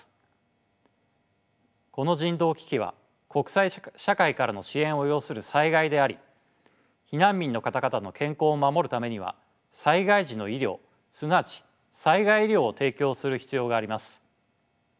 この人道危機は国際社会からの支援を要する災害であり避難民の方々の健康を守るためには災害時の医療すなわち災害医療を提供する必要があります。